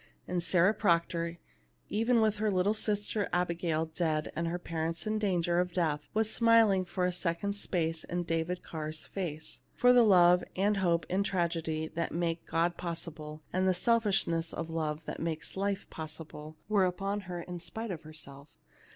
And Sarah Proctor, even with 252 THE LITTLE MAID AT THE DOOE her little sister Abigail dead and her parents in danger of death, was smiling for a second's space in David Carr's face, for the love and hope in tragedy that make God possible, and the selfish ness of love that makes life possible, were upon her in spite of herself.